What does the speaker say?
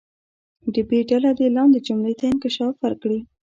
د ب ډله دې لاندې جملې ته انکشاف ورکړي.